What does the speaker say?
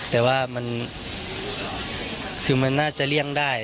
แต่ว่ามันคือมันน่าจะเลี่ยงได้